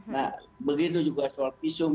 nah begitu juga soal visum